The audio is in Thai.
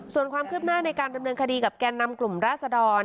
ส่วนความคืบหน้าในการดำเนินคดีกับแกนนำกลุ่มราศดร